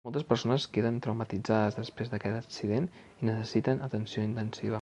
Moltes persones queden traumatitzades després d'aquest accident i necessiten atenció intensiva.